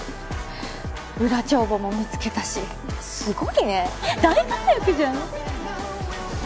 裏帳簿も見つけたしすごいね大活躍じゃん。